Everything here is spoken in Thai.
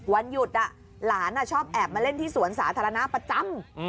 วันหยุดหลานชอบแอบมาเล่นที่สวนสาธารณะประจำ